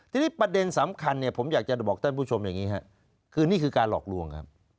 ทีนี้ประเด็นสำคัญเนี่ยผมอยากจะบอกท่านผู้ชมอย่างนี้ครับคือนี่คือการหลอกลวงครับ